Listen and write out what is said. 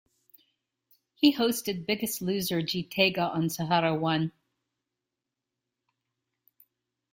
He hosted "Biggest Loser Jeetega" on Sahara One.